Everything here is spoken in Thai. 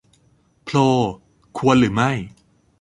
โพล ควรหรือไม่